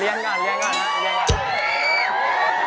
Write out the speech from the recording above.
เรียนก่อน